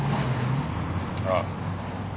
ああ。